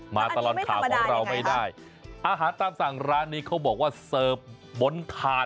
มาตลอดข่าวของเราไม่ได้อาหารตามสั่งร้านนี้เขาบอกว่าเสิร์ฟบนถาด